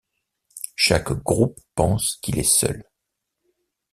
Chaque groupe pense qu'il est seul.